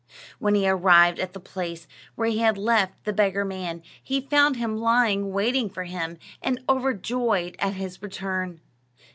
When he arrived at the place where he had left the beggar man, he found him lying waiting for him, and overjoyed at his return.